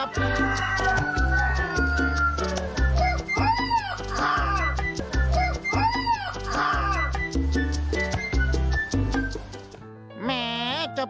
อันนี้ท่าอะไรเมื่อกี้